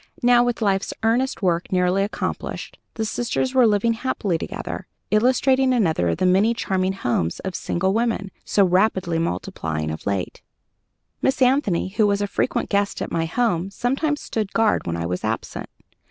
Now, with life's earnest work nearly accomplished, the sisters are living happily together; illustrating another of the many charming homes of single women, so rapidly multiplying of late. Miss Anthony, who was a frequent guest at my home, sometimes stood guard when I was absent.